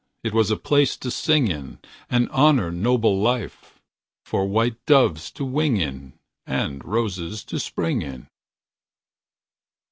It was a place to sing in And honor noble life. For white doves to wing in. And roses to spring in.